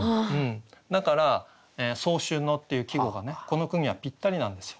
だから「早春の」っていう季語がねこの句にはぴったりなんですよ。